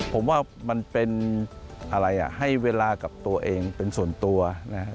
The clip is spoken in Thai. ผมว่ามันเป็นอะไรอ่ะให้เวลากับตัวเองเป็นส่วนตัวนะครับ